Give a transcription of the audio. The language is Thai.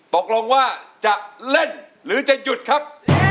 ตกลงว่าจะเล่นหรือจะหยุดครับ